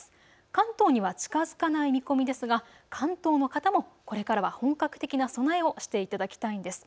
関東には近づかない見込みですが関東の方もこれから本格的な備えをしていただきたいんです。